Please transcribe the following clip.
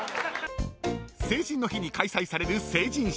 ［成人の日に開催される成人式］